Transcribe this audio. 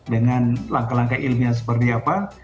dengan langkah langkah ilmiah seperti apa